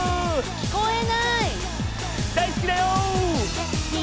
聞こえない。